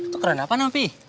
tukeran apa nam bi